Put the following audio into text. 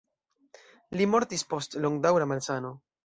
Li mortis post longdaŭra malsano.